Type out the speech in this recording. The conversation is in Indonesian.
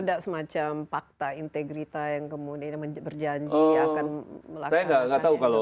ada semacam fakta integrita yang berjanji akan melaksanakan